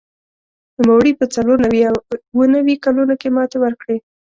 نوموړي په څلور نوي او اووه نوي کلونو کې ماتې ورکړې